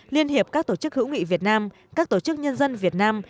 liên hiệp các tổ chức hữu nghị việt nam các tổ chức nhân dân việt nam